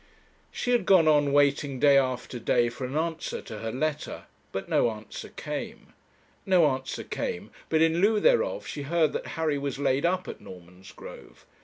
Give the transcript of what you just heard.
She had gone on waiting day after day for an answer to her letter, but no answer came. No answer came, but in lieu thereof she heard that Harry was laid up at Normansgrove.